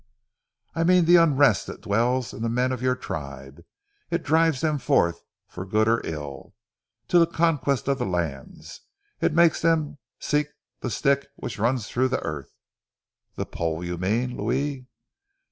"I mean ze unrest that dwells in ze men of your tribe. It drives them forth, for good or ill, to ze conquest of ze lands. It makes them seek ze stick which runs through ze earth " "The pole, you mean, Louis."